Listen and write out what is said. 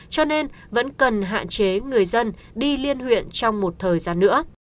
cho nên vẫn cần hạn chế người dân đi liên huyện trong một thời gian nữa